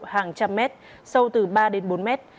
hàng trăm mét sâu từ ba đến bốn mét